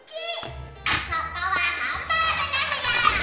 ここはハンバーグのへや！